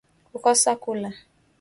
Kukosa kula